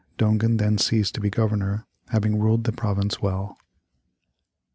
Dongan then ceased to be Governor, having ruled the province well.